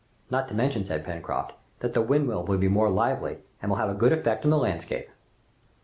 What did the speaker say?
"Not to mention," said Pencroft, "that the windmill will be more lively and will have a good effect in the landscape!"